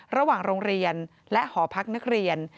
ระหว่างโรงเรียนและหอพักนักเรียน